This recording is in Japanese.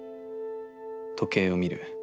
時計を見る。